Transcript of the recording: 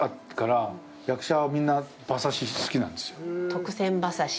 特選馬刺し。